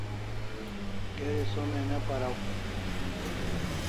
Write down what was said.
Geri sonai ne paraw